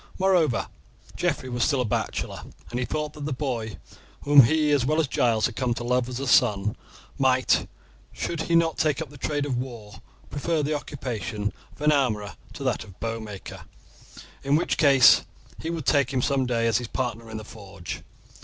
Moreover, Geoffrey was still a bachelor, and he thought that the boy, whom he as well as Giles had come to love as a son, might, should he not take up the trade of war, prefer the occupation of an armourer to that of a bowmaker, in which case he would take him some day as his partner in the forge.